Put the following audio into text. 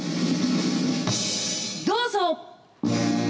どうぞ。